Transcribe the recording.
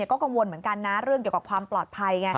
ก็กังวลเหมือนกันนะเรื่องเกี่ยวกับความปลอดภัยไง